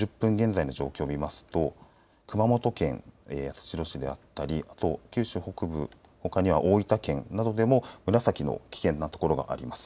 １１時５０分現在の状況を見ますと熊本県八代市であったり九州北部、ほかには大分県などでも紫の危険なところがあります。